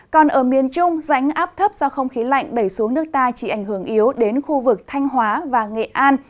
còn ở miền trung rãnh áp thấp do không khí lạnh đẩy xuống nước ta chỉ ảnh hưởng yếu đến khu vực thanh hóa và nghệ an